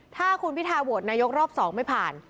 ถ้าคุณพิทาโหวตนายกรอบ๒ไม่ผ่าน